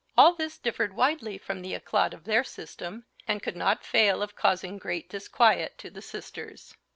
All this differed widely from the éclat of their system, and could not fail of causing great disquiet to the sisters.